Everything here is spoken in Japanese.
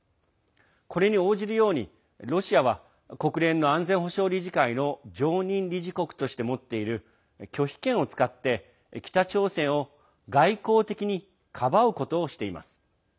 これに応じるようにロシアは国連の安全保障理事会の常任理事国として持っている拒否権を使って北朝鮮を外交的にかばうことをしています。